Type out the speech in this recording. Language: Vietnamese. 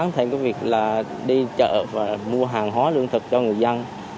thêm cái việc là đi chợ và mua hàng hóa lương thực cho người dân